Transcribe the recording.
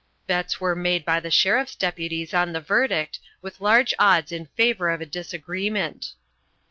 Bets were made by the Sheriff's deputies on the verdict, with large odds in favor of a disagreement.